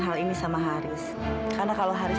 hal ini sama haris karena kalau haris